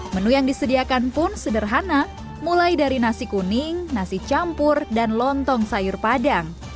menu yang disediakan pun sederhana mulai dari nasi kuning nasi campur dan lontong sayur padang